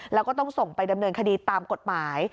แล้วก็ต้องส่งไปดำเนินคดีตามกฎหมาย